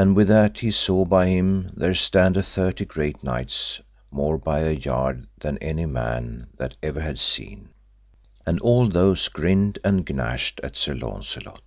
With that he saw by him there stand a thirty great knights, more by a yard than any man that ever he had seen, and all those grinned and gnashed at Sir Launcelot.